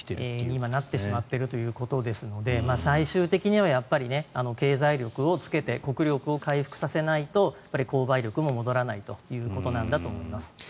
今なってしまっているということですので最終的には経済力をつけて国力を回復させないと購買力も戻らないということなんだと思います。